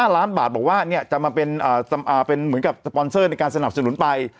๕ล้านบาทบอกว่าจะมาเป็นเหมือนกับสปอนเซอร์ในการสนับสนุนไป